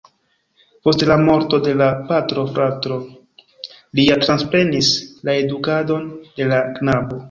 Post la morto de la patro frato lia transprenis la edukadon de la knabo.